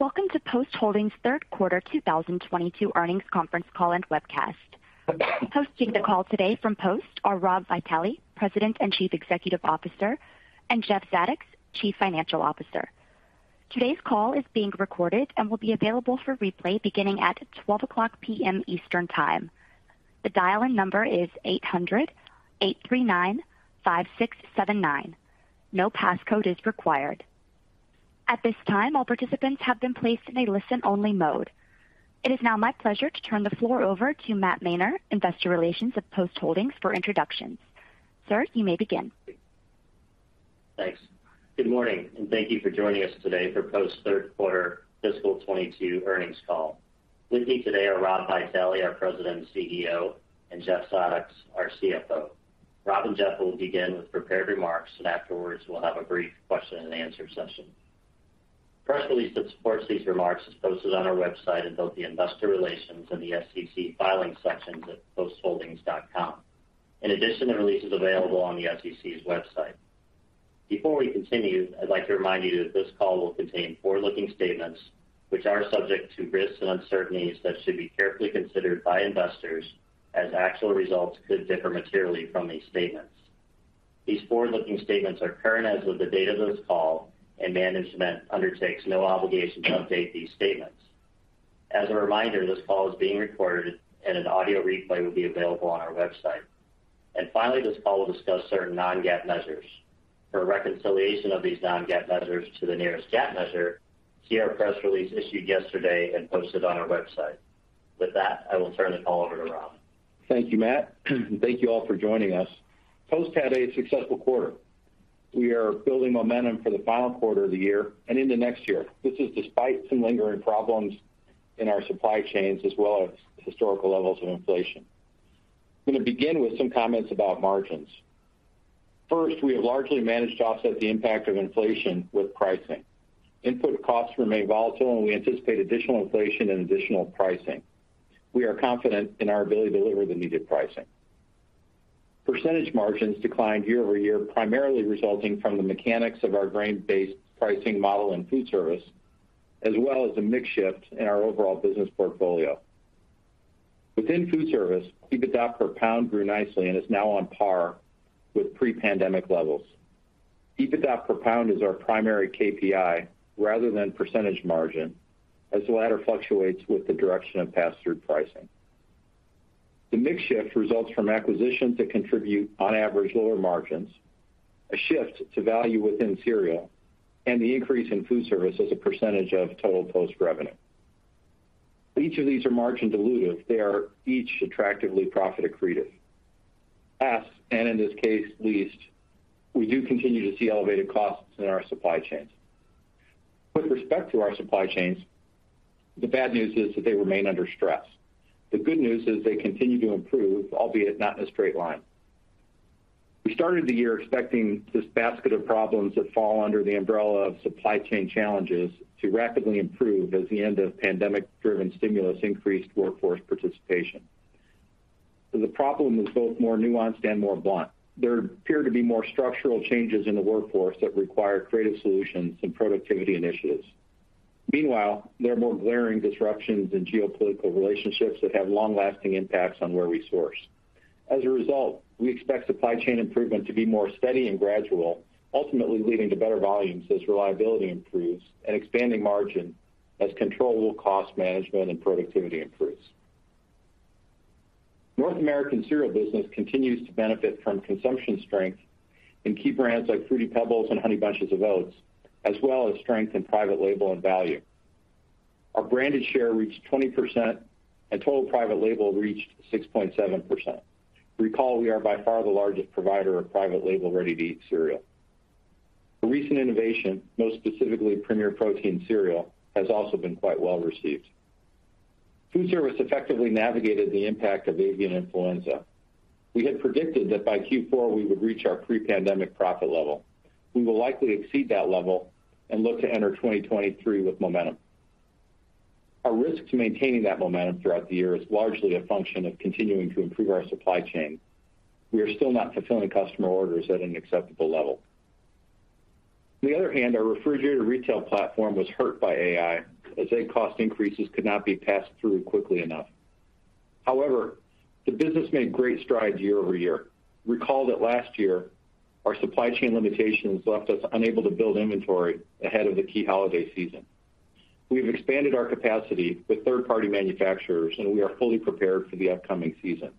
Welcome to Post Holdings third quarter 2022 earnings conference call and webcast. Hosting the call today from Post are Rob Vitale, President and Chief Executive Officer, and Jeff Zadoks, Chief Financial Officer. Today's call is being recorded and will be available for replay beginning at 12:00 P.M. Eastern Time. The dial-in number is eight hundred-eight three nine-five six seven nine. No passcode is required. At this time, all participants have been placed in a listen-only mode. It is now my pleasure to turn the floor over to Matt Mainer, Investor Relations of Post Holdings for introductions. Sir, you may begin. Thanks. Good morning, and thank you for joining us today for Post third quarter fiscal 2022 earnings call. With me today are Rob Vitale, our President and CEO, and Jeff Zadoks, our CFO. Rob and Jeff will begin with prepared remarks and afterwards we'll have a brief question and answer session. Press release that supports these remarks is posted on our website in both the Investor Relations and the SEC Filings sections at postholdings.com. In addition, the release is available on the SEC's website. Before we continue, I'd like to remind you that this call will contain forward-looking statements, which are subject to risks and uncertainties that should be carefully considered by investors as actual results could differ materially from these statements. These forward-looking statements are current as of the date of this call, and management undertakes no obligation to update these statements. As a reminder, this call is being recorded and an audio replay will be available on our website. Finally, this call will discuss certain non-GAAP measures. For a reconciliation of these non-GAAP measures to the nearest GAAP measure, see our press release issued yesterday and posted on our website. With that, I will turn the call over to Rob. Thank you, Matt, and thank you all for joining us. Post had a successful quarter. We are building momentum for the final quarter of the year and into next year. This is despite some lingering problems in our supply chains as well as historical levels of inflation. I'm gonna begin with some comments about margins. First, we have largely managed to offset the impact of inflation with pricing. Input costs remain volatile, and we anticipate additional inflation and additional pricing. We are confident in our ability to deliver the needed pricing. Percentage margins declined year-over-year, primarily resulting from the mechanics of our grain-based pricing model and food service, as well as a mix shift in our overall business portfolio. Within food service, EBITDA per pound grew nicely and is now on par with pre-pandemic levels. EBITDA per pound is our primary KPI rather than percentage margin, as the latter fluctuates with the direction of pass-through pricing. The mix shift results from acquisitions that contribute on average lower margins, a shift to value within cereal, and the increase in food service as a percentage of total Post revenue. Each of these are margin dilutive. They are each attractively profit accretive. Last, and in this case least, we do continue to see elevated costs in our supply chains. With respect to our supply chains, the bad news is that they remain under stress. The good news is they continue to improve, albeit not in a straight line. We started the year expecting this basket of problems that fall under the umbrella of supply chain challenges to rapidly improve as the end of pandemic-driven stimulus increased workforce participation. The problem is both more nuanced and more blunt. There appear to be more structural changes in the workforce that require creative solutions and productivity initiatives. Meanwhile, there are more glaring disruptions in geopolitical relationships that have long-lasting impacts on where we source. As a result, we expect supply chain improvement to be more steady and gradual, ultimately leading to better volumes as reliability improves and expanding margin as controllable cost management and productivity improves. North American cereal business continues to benefit from consumption strength in key brands like Fruity PEBBLES and Honey Bunches of Oats, as well as strength in private label and value. Our branded share reached 20% and total private label reached 6.7%. Recall we are by far the largest provider of private label ready-to-eat cereal. A recent innovation, most specifically Premier Protein cereal, has also been quite well received. Foodservice effectively navigated the impact of avian influenza. We had predicted that by Q4 we would reach our pre-pandemic profit level. We will likely exceed that level and look to enter 2023 with momentum. Our risk to maintaining that momentum throughout the year is largely a function of continuing to improve our supply chain. We are still not fulfilling customer orders at an acceptable level. On the other hand, our refrigerated retail platform was hurt by AI, as egg cost increases could not be passed through quickly enough. However, the business made great strides year-over-year. Recall that last year, our supply chain limitations left us unable to build inventory ahead of the key holiday season. We've expanded our capacity with third-party manufacturers, and we are fully prepared for the upcoming season.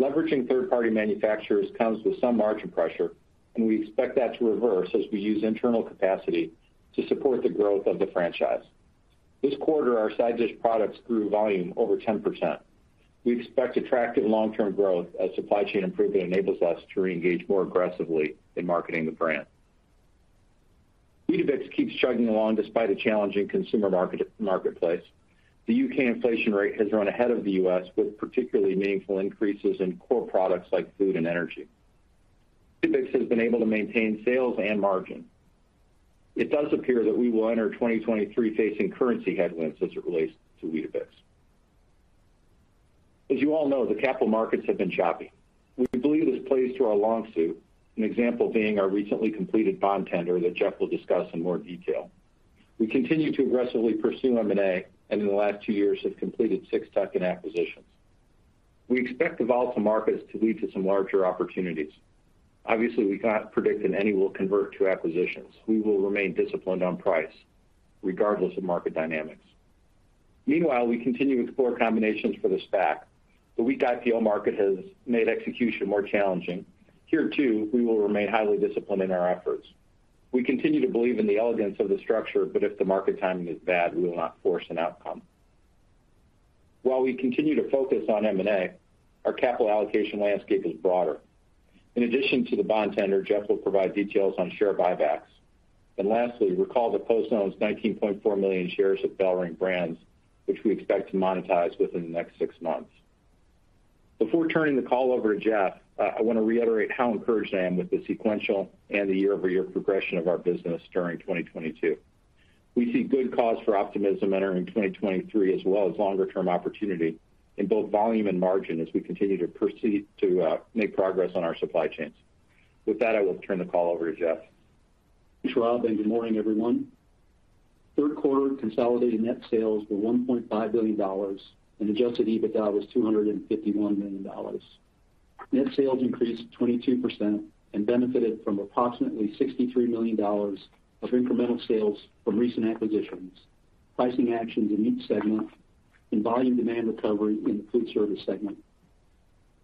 Leveraging third-party manufacturers comes with some margin pressure, and we expect that to reverse as we use internal capacity to support the growth of the franchise. This quarter, our side dish products grew volume over 10%. We expect attractive long-term growth as supply chain improvement enables us to reengage more aggressively in marketing the brand. Weetabix keeps chugging along despite a challenging consumer marketplace. The U.K. inflation rate has run ahead of the U.S. with particularly meaningful increases in core products like food and energy. Weetabix has been able to maintain sales and margin. It does appear that we will enter 2023 facing currency headwinds as it relates to Weetabix. As you all know, the capital markets have been choppy. We believe this plays to our long suit, an example being our recently completed bond tender that Jeff will discuss in more detail. We continue to aggressively pursue M&A and in the last two years have completed six tuck-in acquisitions. We expect the volatile markets to lead to some larger opportunities. Obviously, we cannot predict if any will convert to acquisitions. We will remain disciplined on price regardless of market dynamics. Meanwhile, we continue to explore combinations for the SPAC. The weak IPO market has made execution more challenging. Here, too, we will remain highly disciplined in our efforts. We continue to believe in the elegance of the structure, but if the market timing is bad, we will not force an outcome. While we continue to focus on M&A, our capital allocation landscape is broader. In addition to the bond tender, Jeff will provide details on share buybacks. Lastly, recall that Post owns 19.4 million shares of BellRing Brands, which we expect to monetize within the next six months. Before turning the call over to Jeff, I want to reiterate how encouraged I am with the sequential and the year-over-year progression of our business during 2022. We see good cause for optimism entering 2023, as well as longer term opportunity in both volume and margin as we continue to proceed to make progress on our supply chains. With that, I will turn the call over to Jeff. Thanks, Rob, and good morning, everyone. Third quarter consolidated net sales were $1.5 billion and Adjusted EBITDA was $251 million. Net sales increased 22% and benefited from approximately $63 million of incremental sales from recent acquisitions, pricing actions in each segment and volume demand recovery in the food service segment.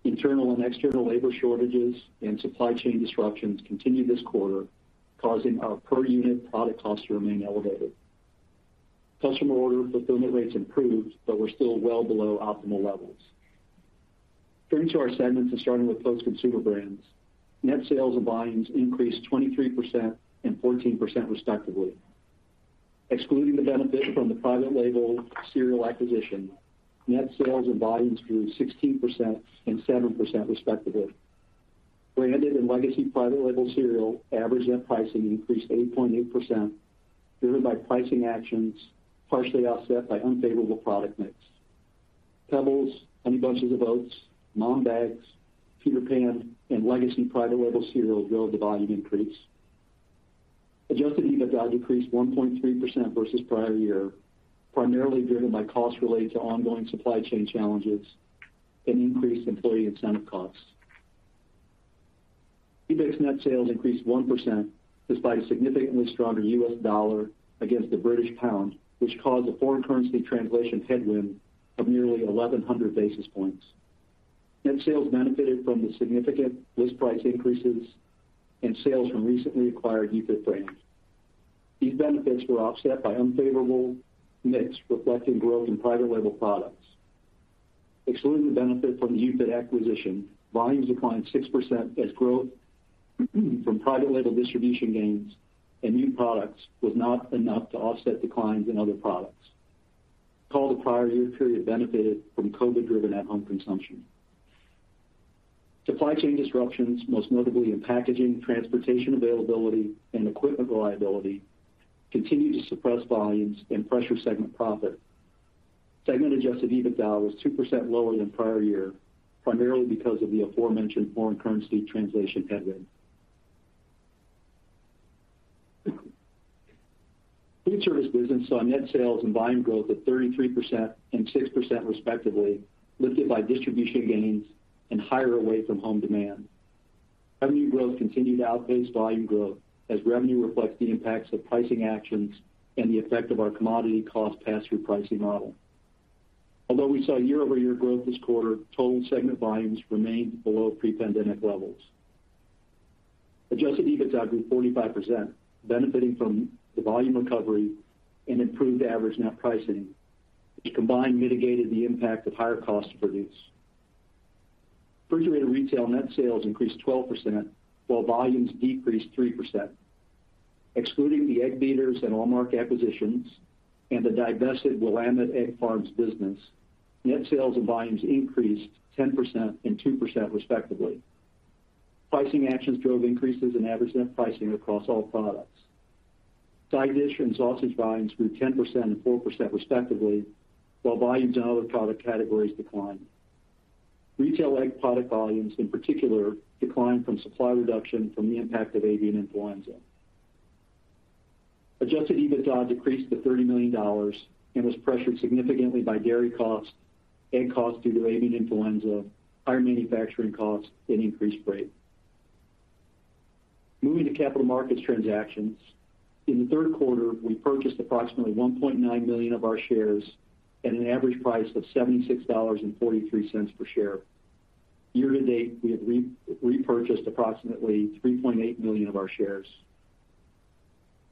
Internal and external labor shortages and supply chain disruptions continued this quarter, causing our per unit product cost to remain elevated. Customer order fulfillment rates improved, but were still well below optimal levels. Turning to our segments and starting with Post Consumer Brands, net sales and volumes increased 23% and 14%, respectively. Excluding the benefit from the private label cereal acquisition, net sales and volumes grew 16% and 7%, respectively. Branded and legacy private label cereal average net pricing increased 8.8%, driven by pricing actions partially offset by unfavorable product mix. Pebbles, Honey Bunches of Oats, MOM Bags, Peter Pan, and legacy private label cereal drove the volume increase. Adjusted EBITDA decreased 1.3% versus prior year, primarily driven by costs related to ongoing supply chain challenges and increased employee incentive costs. Weetabix net sales increased 1% despite a significantly stronger U.S. dollar against the British pound, which caused a foreign currency translation headwind of nearly 1,100 basis points. Net sales benefited from the significant list price increases and sales from recently acquired Euclid Brands. These benefits were offset by unfavorable mix, reflecting growth in private label products. Excluding the benefit from the Euclid acquisition, volumes declined 6% as growth from private label distribution gains and new products was not enough to offset declines in other products. Recall that the prior year period benefited from COVID-driven at-home consumption. Supply chain disruptions, most notably in packaging, transportation availability, and equipment reliability, continued to suppress volumes and pressure segment profit. Segment adjusted EBITDA was 2% lower than prior year, primarily because of the aforementioned foreign currency translation headwind. Food service business saw net sales and volume growth of 33% and 6%, respectively, lifted by distribution gains and higher away from home demand. Revenue growth continued to outpace volume growth as revenue reflects the impacts of pricing actions and the effect of our commodity cost pass-through pricing model. Although we saw year-over-year growth this quarter, total segment volumes remained below pre-pandemic levels. Adjusted EBITDA grew 45%, benefiting from the volume recovery and improved average net pricing, which combined mitigated the impact of higher cost to produce. Refrigerated retail net sales increased 12%, while volumes decreased 3%. Excluding the Egg Beaters and Almark acquisitions and the divested Willamette Egg Farms business, net sales and volumes increased 10% and 2%, respectively. Pricing actions drove increases in average net pricing across all products. Side dish and sausage volumes grew 10% and 4%, respectively, while volumes in other product categories declined. Retail egg product volumes in particular declined from supply reduction from the impact of avian influenza. Adjusted EBITDA decreased to $30 million and was pressured significantly by dairy costs, egg costs due to avian influenza, higher manufacturing costs and increased rates. Moving to capital markets transactions, in the third quarter, we purchased approximately 1.9 million of our shares at an average price of $76.43 per share. Year to date, we have repurchased approximately 3.8 million of our shares.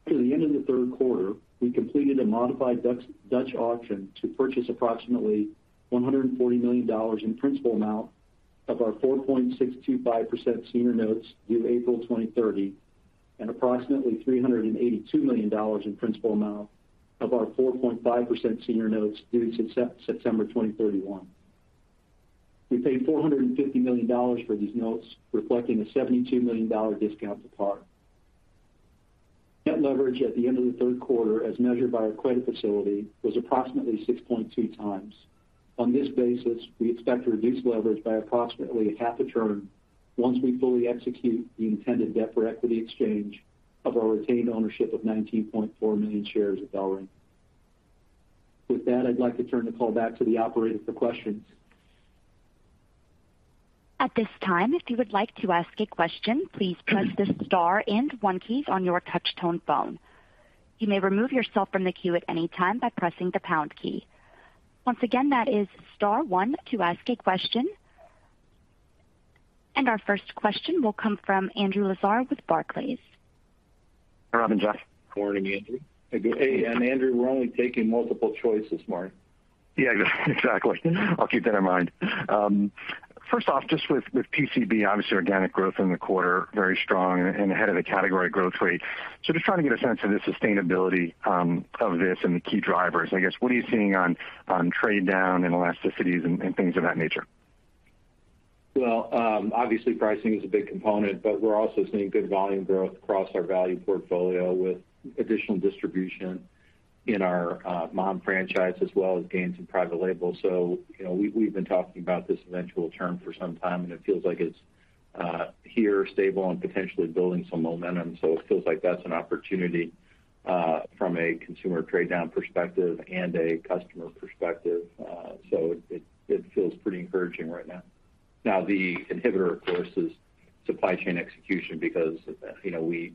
Through the end of the third quarter, we completed a modified Dutch auction to purchase approximately $140 million in principal amount of our 4.625% senior notes due April 2030 and approximately $382 million in principal amount of our 4.5% senior notes due September 2031. We paid $450 million for these notes, reflecting a $72 million discount to par. Net leverage at the end of the third quarter, as measured by our credit facility, was approximately 6.2x. On this basis, we expect to reduce leverage by approximately half the term once we fully execute the intended debt for equity exchange of our retained ownership of 19.4 million shares of BellRing. With that, I'd like to turn the call back to the operator for questions. At this time, if you would like to ask a question, please press the star and one keys on your touch-tone phone. You may remove yourself from the queue at any time by pressing the pound key. Once again, that is star one to ask a question. Our first question will come from Andrew Lazar with Barclays. Hi, Rob and Jeff. Morning, Andrew. Hey, Andrew, we're only taking multiple choice this morning. Yeah, exactly. I'll keep that in mind. First off, just with PCB, obviously, organic growth in the quarter, very strong and ahead of the category growth rate. Just trying to get a sense of the sustainability of this and the key drivers. I guess, what are you seeing on trade down and elasticities and things of that nature? Well, obviously pricing is a big component, but we're also seeing good volume growth across our value portfolio with additional distribution in our MOM franchise as well as gains in private label. You know, we've been talking about this eventual term for some time, and it feels like it's here, stable and potentially building some momentum. It feels like that's an opportunity from a consumer trade-down perspective and a customer perspective. It feels pretty encouraging right now. Now, the inhibitor, of course, is supply chain execution because, you know, we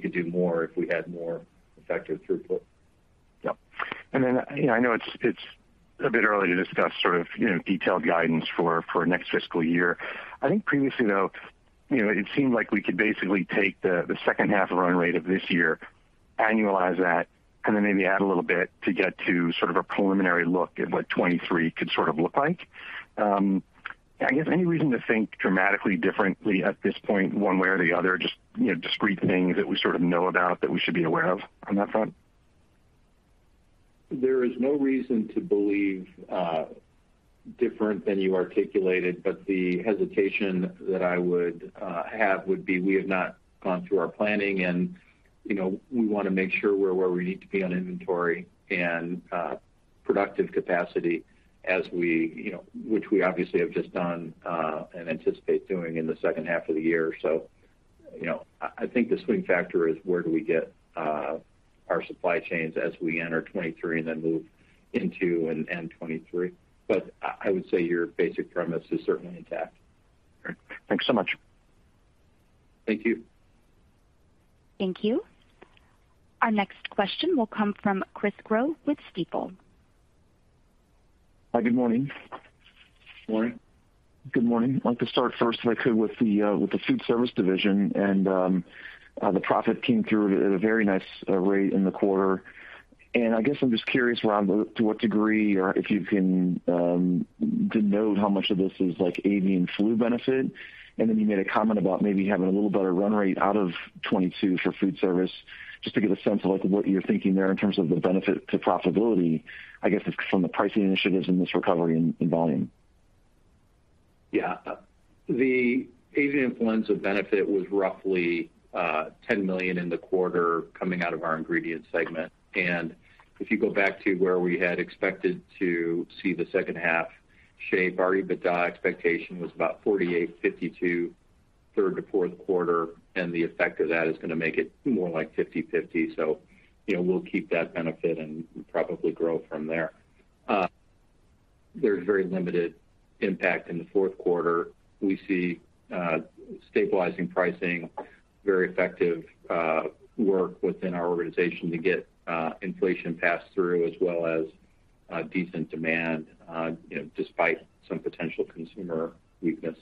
could do more if we had more effective throughput. Yep. You know, I know it's a bit early to discuss sort of, you know, detailed guidance for next fiscal year. I think previously, though, you know, it seemed like we could basically take the second half run rate of this year, annualize that, and then maybe add a little bit to get to sort of a preliminary look at what 2023 could sort of look like. I guess any reason to think dramatically differently at this point, one way or the other, just, you know, discrete things that we sort of know about that we should be aware of on that front? There is no reason to believe different than you articulated, but the hesitation that I would have would be we have not gone through our planning and, you know, we wanna make sure we're where we need to be on inventory and productive capacity as we, you know, which we obviously have just done and anticipate doing in the second half of the year. You know, I think the swing factor is where do we get our supply chains as we enter 2023 and then move into and end 2023. I would say your basic premise is certainly intact. Great. Thanks so much. Thank you. Thank you. Our next question will come from Chris Growe with Stifel. Hi, good morning. Morning. Good morning. I'd like to start first, if I could, with the food service division and the profit came through at a very nice rate in the quarter. I guess I'm just curious as to what degree or if you can denote how much of this is like avian flu benefit. Then you made a comment about maybe having a little better run rate out of 2022 for food service. Just to get a sense of, like, what you're thinking there in terms of the benefit to profitability, I guess, from the pricing initiatives in this recovery in volume. Yeah. The avian influenza benefit was roughly $10 million in the quarter coming out of our ingredients segment. If you go back to where we had expected to see the second half shape, our EBITDA expectation was about $48 million-$52 million third to fourth quarter, and the effect of that is gonna make it more like 50/50. You know, we'll keep that benefit and probably grow from there. There's very limited impact in the fourth quarter. We see stabilizing pricing, very effective work within our organization to get inflation passed through as well as decent demand, you know, despite some potential consumer weakness.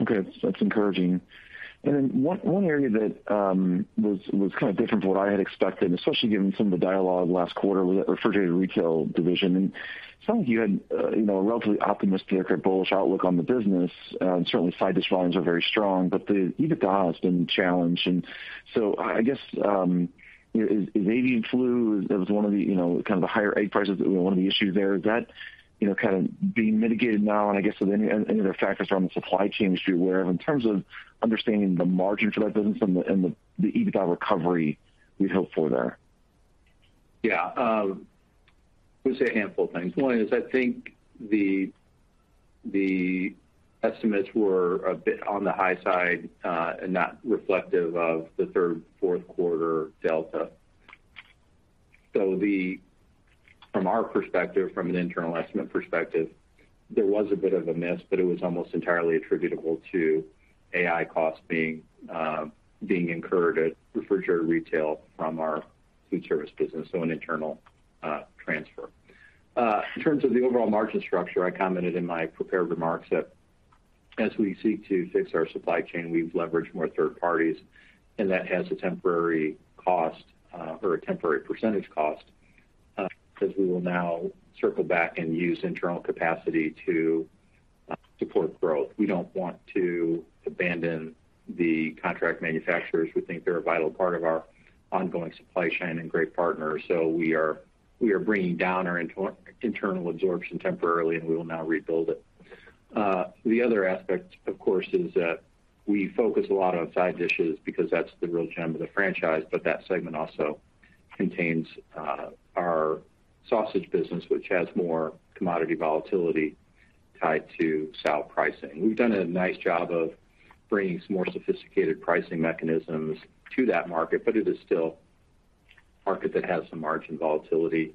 Okay. That's encouraging. One area that was kinda different to what I had expected, especially given some of the dialogue last quarter, was that refrigerated retail division. It sounds like you had, you know, a relatively optimistic or bullish outlook on the business. Certainly side dish volumes are very strong, but the EBITDA has been challenged. I guess, you know, is avian flu, it was one of the, you know, kind of the higher egg prices were one of the issues there. Is that, you know, kind of being mitigated now? I guess any other factors around the supply chain that you're aware of in terms of understanding the margin for that business and the EBITDA recovery we'd hope for there? Yeah. I would say a handful of things. One is I think the estimates were a bit on the high side and not reflective of the third, fourth quarter delta. From our perspective, from an internal estimate perspective, there was a bit of a miss, but it was almost entirely attributable to AI costs being incurred at refrigerated retail from our food service business, so an internal transfer. In terms of the overall margin structure, I commented in my prepared remarks that as we seek to fix our supply chain, we've leveraged more third parties, and that has a temporary cost or a temporary percentage cost because we will now circle back and use internal capacity to support growth. We don't want to abandon the contract manufacturers. We think they're a vital part of our ongoing supply chain and great partners. We are bringing down our internal absorption temporarily, and we will now rebuild it. The other aspect, of course, is that we focus a lot on side dishes because that's the real gem of the franchise, but that segment also contains our sausage business, which has more commodity volatility tied to sow pricing. We've done a nice job of bringing some more sophisticated pricing mechanisms to that market, but it is still a market that has some margin volatility.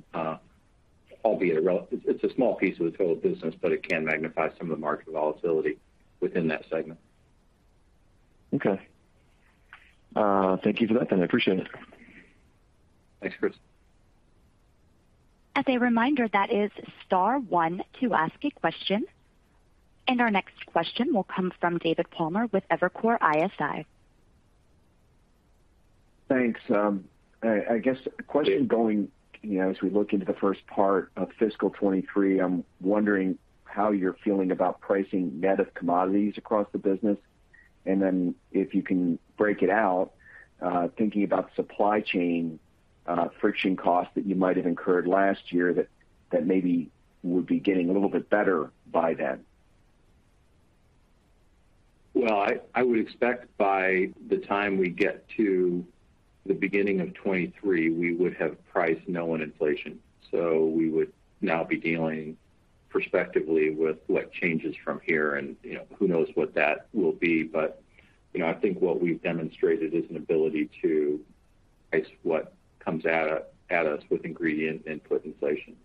Albeit it's a small piece of the total business, but it can magnify some of the market volatility within that segment. Okay. Thank you for that then. I appreciate it. Thanks, Chris. As a reminder, that is star one to ask a question. Our next question will come from David Palmer with Evercore ISI. Thanks. I guess the question going, you know, as we look into the first part of fiscal 2023, I'm wondering how you're feeling about pricing net of commodities across the business. Then if you can break it out, thinking about supply chain friction costs that you might have incurred last year that maybe would be getting a little bit better by then. Well, I would expect by the time we get to the beginning of 2023, we would have priced known inflation. So we would now be dealing prospectively with what changes from here and, you know, who knows what that will be. But, you know, I think what we've demonstrated is an ability to price what comes at us with ingredient input inflation.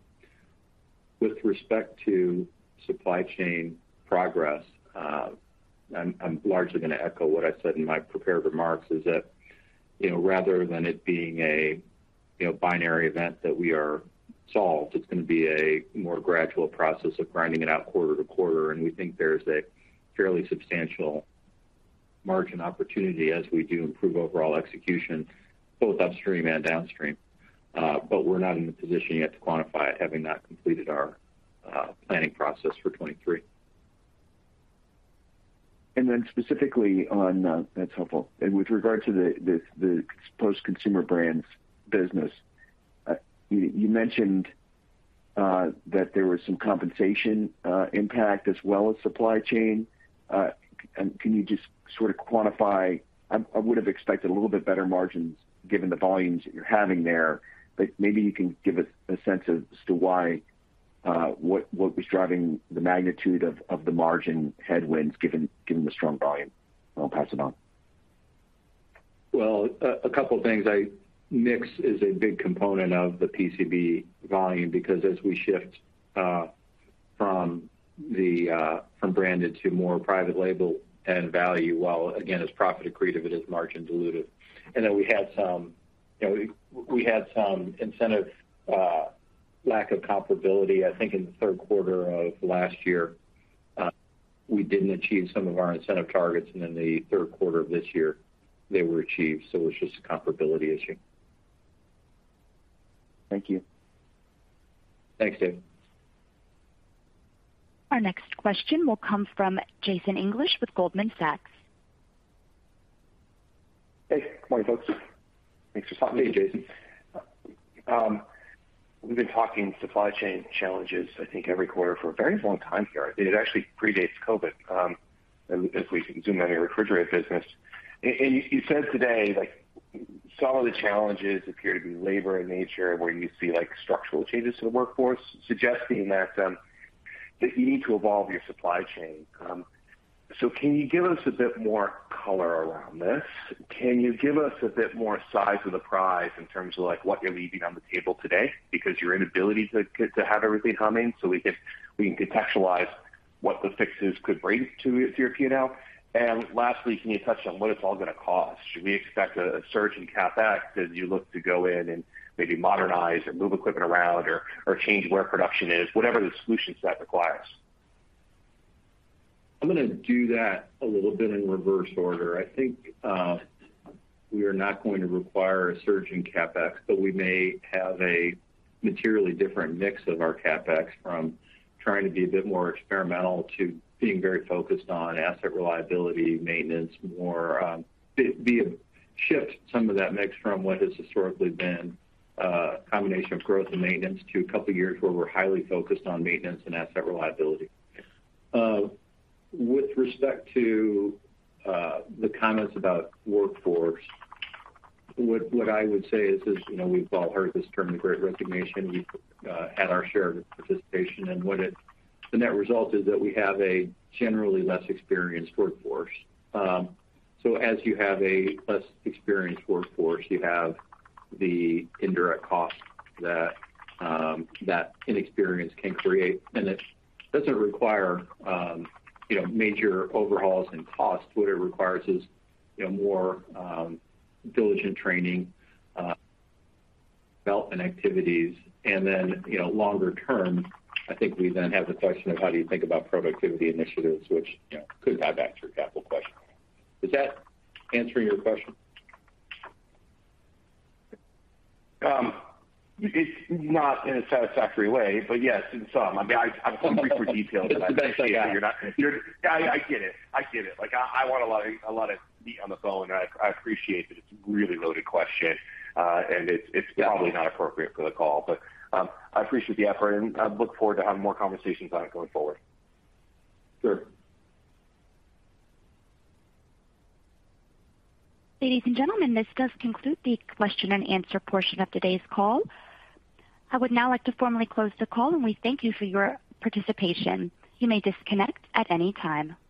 With respect to supply chain progress, I'm largely gonna echo what I said in my prepared remarks, is that, you know, rather than it being a binary event that we are solved, it's gonna be a more gradual process of grinding it out quarter to quarter. We think there's a fairly substantial margin opportunity as we do improve overall execution, both upstream and downstream. We're not in a position yet to quantify it, having not completed our planning process for 2023. That's helpful. With regard to the Post Consumer Brands business, you mentioned that there was some compensation impact as well as supply chain. Can you just sort of quantify? I would have expected a little bit better margins given the volumes that you're having there. Maybe you can give us a sense as to why what was driving the magnitude of the margin headwinds given the strong volume, and I'll pass it on. Well, couple things. Mix is a big component of the PCB volume because as we shift from branded to more private label and value, while again, it's profit accretive, it is margin dilutive. We had some, you know, incentive lack of comparability. I think in the third quarter of last year, we didn't achieve some of our incentive targets, and in the third quarter of this year, they were achieved, so it's just a comparability issue. Thank you. Thanks, David. Our next question will come from Jason English with Goldman Sachs. Hey. Good morning, folks. Thanks for talking. Hey, Jason. We've been talking supply chain challenges, I think every quarter for a very long time here. It actually predates COVID, if we can zoom on your refrigerated business. You said today, like some of the challenges appear to be labor in nature, where you see like structural changes to the workforce, suggesting that you need to evolve your supply chain. Can you give us a bit more color around this? Can you give us a bit more size of the prize in terms of like what you're leaving on the table today because your inability to have everything humming so we can contextualize what the fixes could bring to your P&L? Lastly, can you touch on what it's all gonna cost? Should we expect a surge in CapEx as you look to go in and maybe modernize or move equipment around or change where production is, whatever the solution set requires? I'm gonna do that a little bit in reverse order. I think we are not going to require a surge in CapEx, but we may have a materially different mix of our CapEx from trying to be a bit more experimental to being very focused on asset reliability, maintenance, more, shift some of that mix from what has historically been a combination of growth and maintenance to a couple of years where we're highly focused on maintenance and asset reliability. With respect to the comments about workforce, what I would say is, you know, we've all heard this term, the Great Resignation. We've had our share of participation. The net result is that we have a generally less experienced workforce. As you have a less experienced workforce, you have the indirect costs that inexperience can create. It doesn't require you know, major overhauls and costs. What it requires is, you know, more diligent training, development activities. You know, longer term, I think we then have the question of how do you think about productivity initiatives which, you know, could have answered your capital question. Is that answering your question? It's not in a satisfactory way, but yes, in some. I mean, I'm hungry for details. That's the best I can do. I appreciate that. Yeah, I get it. Like, I want a lot of meat on the bone, and I appreciate that it's a really loaded question. It's definitely not appropriate for the call. I appreciate the effort and I look forward to having more conversations on it going forward. Sure. Ladies and gentlemen, this does conclude the question and answer portion of today's call. I would now like to formally close the call, and we thank you for your participation. You may disconnect at any time. Thank you.